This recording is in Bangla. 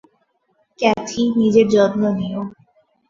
ক্যাথি, নিজের যত্ন নিও।